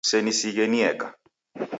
Kusenisighe nieka.